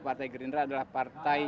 partai gerindra adalah partai